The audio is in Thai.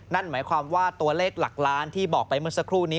นั่นหมายความว่าตัวเลขหลักล้านที่บอกไปเมื่อสักครู่นี้